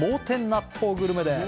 納豆グルメです